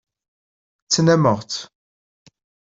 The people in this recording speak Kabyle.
Ttnnameɣ-tt.